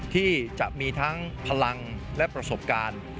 ที่จะมีทั้งพลังและประสบการณ์